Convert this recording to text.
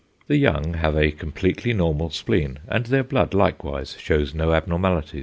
The young have a completely normal spleen, and their blood likewise shows no abnormalities.